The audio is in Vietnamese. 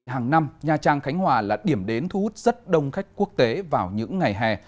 hàng năm nha trang khánh hòa là điểm đến thu hút rất đông khách quốc tế vào những ngày hè